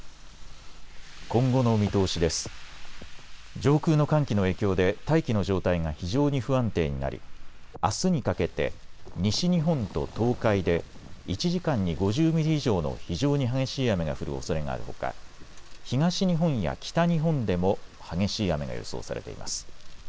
上空の寒気の影響で大気の状態が非常に不安定になりあすにかけて西日本と東海で１時間に５０ミリ以上の非常に激しい雨が降るおそれがあるほか東日本や北日本でも激しい雨が予想されています。